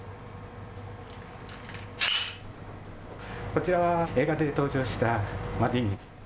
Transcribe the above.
こちらは映画で登場したマティーニ。